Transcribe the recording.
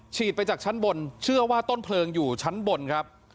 ไปจากชั้นบนเชื่อว่าต้นเพลิงอยู่ชั้นบนครับ